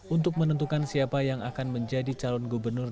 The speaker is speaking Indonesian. untuk menentukan siapa yang akan menjadi calon gubernur